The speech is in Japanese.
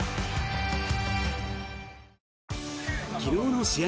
昨日の試合